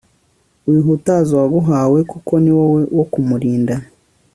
wihutaza uwaguhawe kuko niwowe wo kumurinda